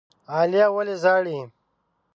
عالیه ولي ژاړي؟